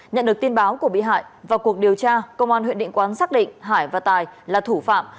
nhận được tin báo của bị hại vào cuộc điều tra công an huyện định quán xác định hải và tài là thủ phạm